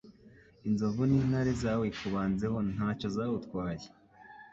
inzovu n'intare zawikubanzeho ntacyo zawutwaye